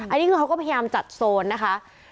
อันนี้คือเขาก็พยายามจัดโซนนะคะ